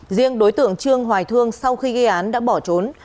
riêng đối tượng trương hoài thương sau khi gây án đã bỏ trốn